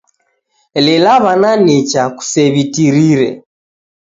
Lela w'ana nicha, kusew'itirire.